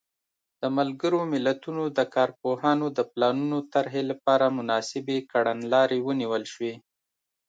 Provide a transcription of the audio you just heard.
د ملګرو ملتونو د کارپوهانو د پلانونو طرحې لپاره مناسبې کړنلارې ونیول شوې.